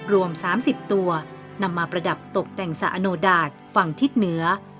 รวม๓๐ตัวนำมาประดับตกแต่งสะอโนดาตฝั่งทิศเหนือ